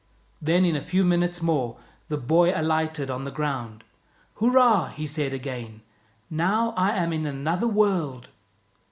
Then in a few minutes more the boy alighted on the ground. "Hurrah!" he said again. "Now I am in another world."